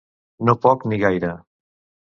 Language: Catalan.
No poc ni gaire.